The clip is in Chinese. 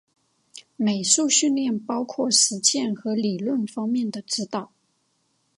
美术训练包括实践和理论方面的指导。